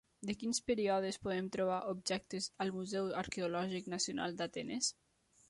De quins períodes podem trobar objectes al Museu Arqueològic Nacional d'Atenes?